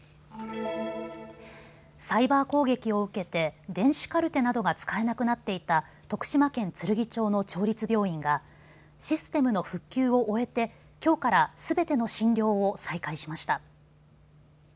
サイバー攻撃を受けて電子カルテなどが使えなくなっていた徳島県つるぎ町の町立病院がシステムの復旧を終えてきょうからすべての診療を再開しました。